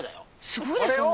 すごいですよね。